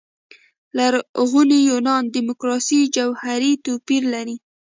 لرغوني یونان دیموکراسي جوهري توپير لري.